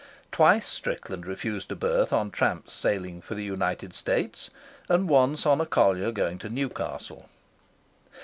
Twice Strickland refused a berth on tramps sailing for the United States, and once on a collier going to Newcastle.